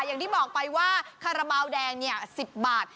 อย่างที่บอกไปว่าคาราบาลแดง๑๐บาท